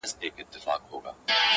زولنې د زندانونو به ماتیږي،